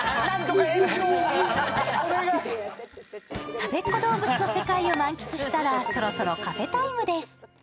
たべっ子どうぶつの世界を満喫したらそろそろカフェタイムです。